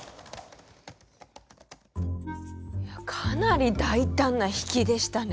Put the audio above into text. かなり大胆な引きでしたね。